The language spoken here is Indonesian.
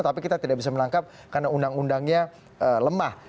tapi kita tidak bisa menangkap karena undang undangnya lemah